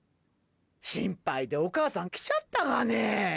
心配でお母さん、来ちゃったがね。